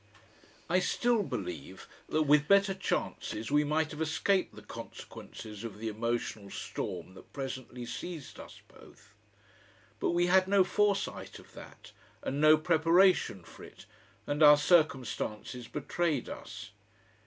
I still believe that with better chances we might have escaped the consequences of the emotional storm that presently seized us both. But we had no foresight of that, and no preparation for it, and our circumstances betrayed us.